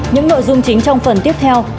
những nội dung chính trong phần tiếp theo